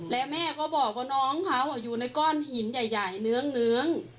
และแม่ก็บอกว่าน้องเขาอยู่ในก้อนหินใหญ่เนื้อง